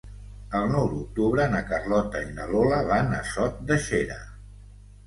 El nou d'octubre na Carlota i na Lola van a Sot de Xera.